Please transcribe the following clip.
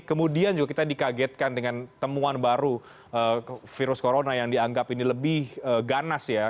kemudian juga kita dikagetkan dengan temuan baru virus corona yang dianggap ini lebih ganas ya